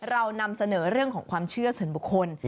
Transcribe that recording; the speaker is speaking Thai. เรานำเสนอเรื่องของความเชื่อส่วนบุคคล